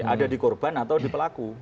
ada di korban atau di pelaku